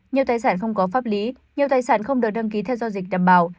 nhiều tài sản không có pháp lý nhiều tài sản không được đăng ký theo giao dịch đảm bảo